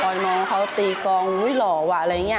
มองเขาตีกองอุ๊ยหล่อว่ะอะไรอย่างนี้